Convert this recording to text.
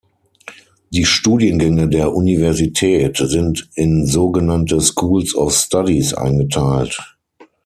Die Studiengänge der Universität sind in so genannte "Schools of Studies" eingeteilt.